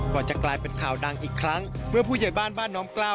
จะกลายเป็นข่าวดังอีกครั้งเมื่อผู้ใหญ่บ้านบ้านน้อมกล้าว